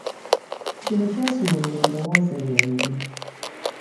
Kino kyasumulula endowooza yange.